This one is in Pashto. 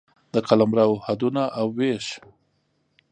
د قلمرو حدونه او وېش